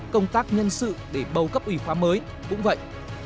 công tác nhân sự để bầu cấp ủy khoa mới cũng vậy